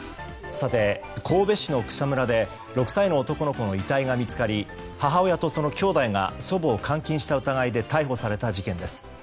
神戸市の草むらで６歳の男の子の遺体が見つかり母親とその兄弟が祖母を監禁した疑いで逮捕された事件です。